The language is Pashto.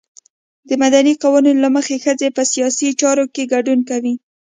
د مدني قوانینو له مخې ښځې په سیاسي چارو کې ګډون کوي.